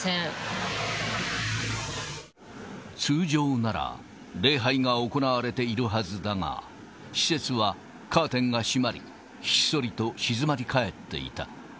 通常なら、礼拝が行われているはずだが、施設はカーテンが閉まり、ひっそりと静まり返っていた。